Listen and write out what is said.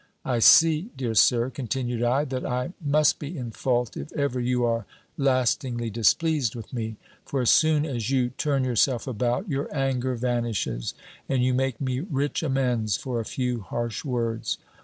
I see, dear Sir," continued I, "that I must be in fault, if ever you are lastingly displeased with me. For as soon as you turn yourself about, your anger vanishes, and you make me rich amends for a few harsh words.